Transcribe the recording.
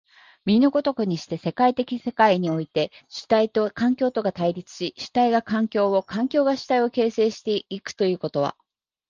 右の如くにして、歴史的世界において、主体と環境とが対立し、主体が環境を、環境が主体を形成し行くということは、